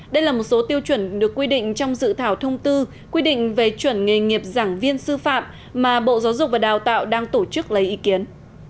đây là một số tiêu chuẩn được quy định trong dự thảo thông tư quy định về chuẩn nghề nghiệp giảng viên sư phạm mà bộ giáo dục và đào tạo đang tổ chức lấy ý kiến